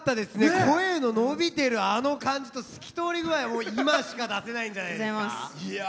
声の伸びてる、あの感じと透き通り具合、今しか出せないんじゃないですか。